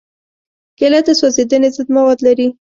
کېله د سوځېدنې ضد مواد لري.